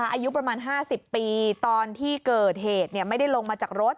อายุประมาณ๕๐ปีตอนที่เกิดเหตุไม่ได้ลงมาจากรถ